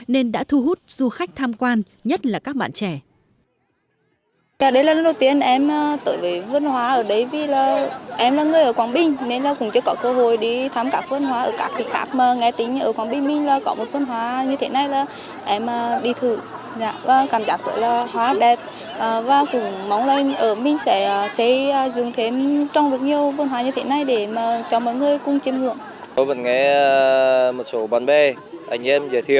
nên đã thu hút du khách thăm quan nhất là các bạn trẻ